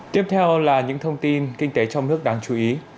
tiếp theo là những thông tin kinh tế trong nước đáng chú ý